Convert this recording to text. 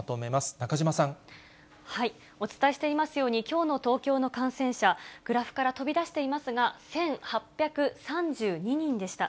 中島さお伝えしていますように、きょうの東京の感染者、グラフから飛び出していますが１８３２人でした。